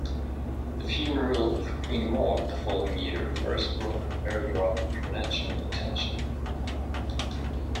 The funeral of Queen Maud the following year first brought Berggrav international attention.